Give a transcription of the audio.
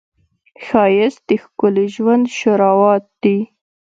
ښایست د ښکلي ژوند شروعات دی